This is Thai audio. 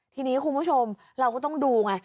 ทีนี้คุณผู้ชมเราก็ต้องดูไง